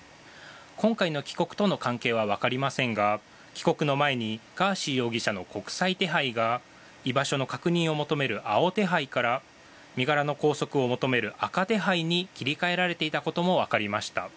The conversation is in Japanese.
今回の帰国との関係はわかりませんが帰国の前にガーシー容疑者の国際手配が居場所の確認を求める青手配から身柄の拘束を求める赤手配に切り替えられていたこともわかりました。